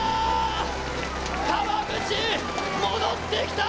川口、戻ってきた。